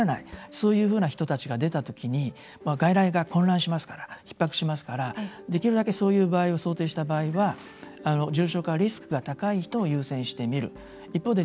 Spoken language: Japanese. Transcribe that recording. そうした人が出た時に、外来が混乱しますからひっ迫しますからできるだけ、そういう場合を想定した場合は、重症化のリスクが高い人を優先して診る。